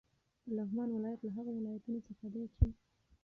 لغمان ولایت له هغو ولایتونو څخه دی چې: